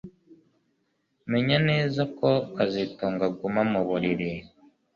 Menya neza ko kazitunga aguma mu buriri